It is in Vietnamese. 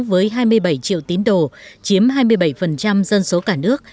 với hai mươi bảy triệu tín đồ chiếm hai mươi bảy dân số cả nước